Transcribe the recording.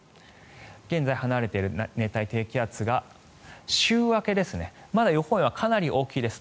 現在、離れている熱帯低気圧が週明け、まだ予報円はかなり大きいです。